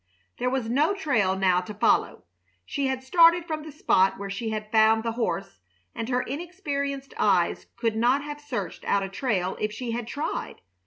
There was no trail now to follow. She had started from the spot where she had found the horse, and her inexperienced eyes could not have searched out a trail if she had tried.